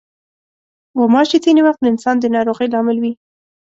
غوماشې ځینې وخت د انسان د ناروغۍ لامل وي.